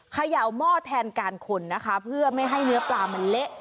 เขย่าหม้อแทนการขนนะคะเพื่อไม่ให้เนื้อปลามันเละ